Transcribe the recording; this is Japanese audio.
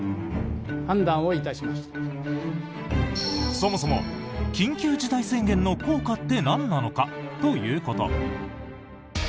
そもそも緊急事態宣言の効果ってなんなのかということ。